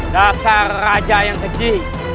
dasar raja yang keji